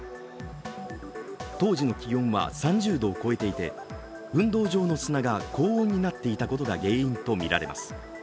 当時の気温は３０度を超えていて、運動場の砂が高温になっていたことが原因とみられます。